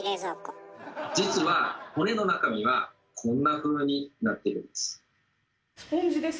実は骨の中身はこんなふうになっているんです。